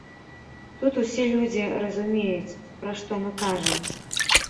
Тут усе людзі разумеюць, пра што мы кажам.